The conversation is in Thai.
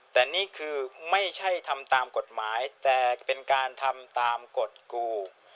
แต่นี่คือไม่ใช่ทำตามกฎหมายแต่เป็นการทำตามกฎกู